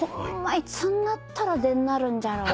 いつになったら出んなるんじゃろ。